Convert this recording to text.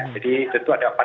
jadi tentu ada